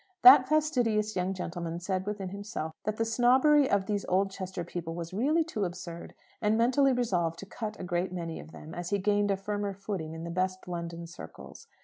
That fastidious young gentleman said within himself that the snobbery of these Oldchester people was really too absurd; and mentally resolved to cut a great many of them, as he gained a firmer footing in the best London circles.